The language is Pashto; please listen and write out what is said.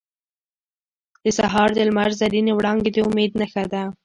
• د سهار د لمر زرینې وړانګې د امید نښه ده.